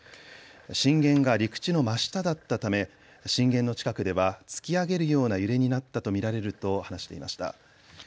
震源が陸地の真下だったため震源の近くでは突き上げるような揺れになったと見られると話していました。